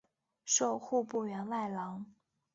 授户部员外郎。